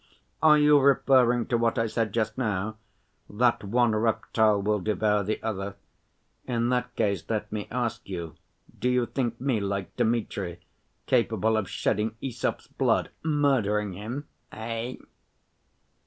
Are you referring to what I said just now—that one reptile will devour the other? In that case let me ask you, do you think me like Dmitri capable of shedding Æsop's blood, murdering him, eh?"